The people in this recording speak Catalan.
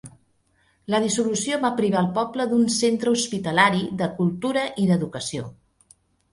La dissolució va privar al poble d'un centre hospitalari, de cultura i d'educació.